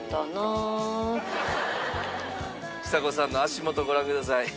ちさ子さんの足元をご覧ください。